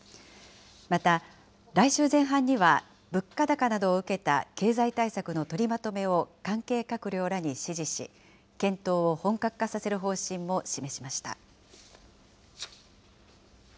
また、来週前半には物価高などを受けた経済対策の取りまとめを関係閣僚らに指示し、検討を本格化させる方針も示しました。